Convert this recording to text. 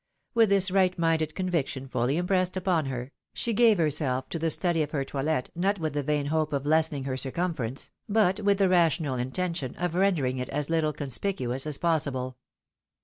With this right minded conviction fully impressed upon her, she gave herself to the study of her toDet, not with the vain hope of lessening her circumference, but with the rational intention of rendering it as little conspicuous as possible.